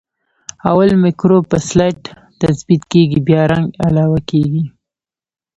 اول مکروب په سلایډ تثبیت کیږي بیا رنګ علاوه کیږي.